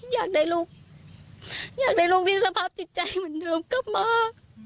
อยากได้ลูกอยากได้ลูกมีสภาพจิตใจเหมือนเดิมกลับมา